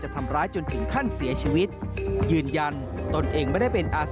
ทำร้ายผู้อื่นจนถึงแก่ความตาย